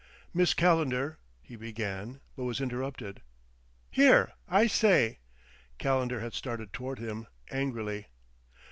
"Miss Calendar " he began; but was interrupted. "Here I say!" Calendar had started toward him angrily.